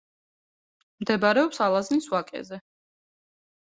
მდებარეობს ალაზნის ვაკეზე.